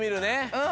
うん。